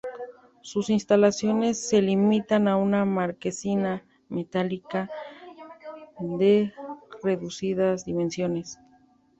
Sus instalaciones se limitan a una marquesina metálica de reducidas dimensiones.